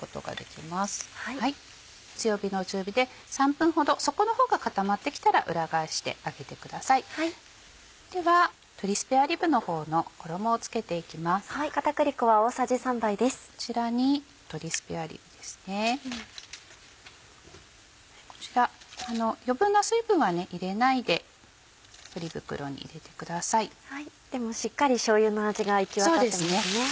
とてもしっかりしょうゆの味が行き渡ってますね。